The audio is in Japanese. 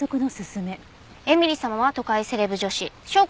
絵美里様は都会セレブ女子。